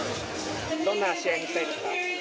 どんな試合にしたいですか？